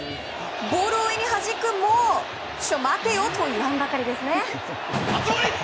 ボールを上にはじくもちょ、待てよと言わんばかりですね。